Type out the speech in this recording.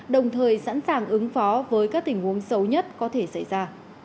đồng thời sẵn sàng ứng phó với các tình huống xấu nhất có thể xảy ra